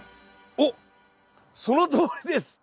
おっそのとおりです！